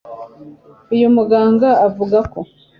Uyu muganga avuga ko